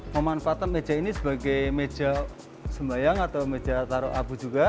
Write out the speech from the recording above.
memanfaatkan meja ini sebagai meja sembayang atau meja taruh abu juga